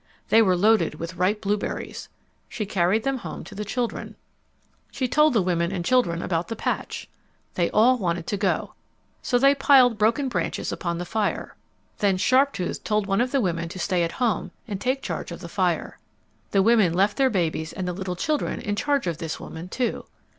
They were loaded with ripe blueberries. She carried them home to the children. She told the women and children about the patch. They all wanted to go. So they piled broken branches upon the fire. Then Sharptooth told one of the women to stay at home and take charge of the fire. The women left their babies and little children in charge of this woman, too.